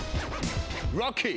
ロッキー！